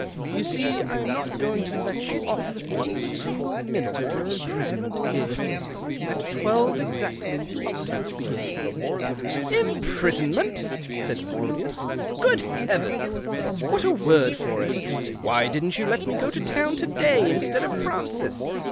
You see I am not going to let you off one single minute of your imprisonment bere. At twelve exactly the octave begins." " Imprisonment !" said Claudius. " Good iieavens ! what a word for it. Why didn't you let me go to town to day instead of Francis